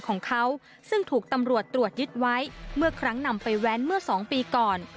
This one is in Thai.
ของเขาซึ่งถูกตำรวจตรวจยึดไว้เมื่อครั้งนำไปแว้นเมื่อ๒ปีก่อน